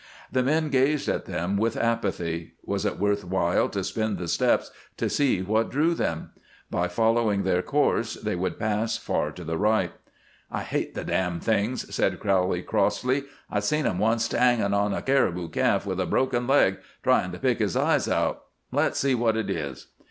The men gazed at them with apathy. Was it worth while to spend the steps to see what drew them? By following their course they would pass far to the right. "I hate the dam' things," said Crowley, crossly. "I seen 'em, oncet, hangin' to a caribou calf with a broken leg, tryin' to pick his eyes out. Let's see what it is."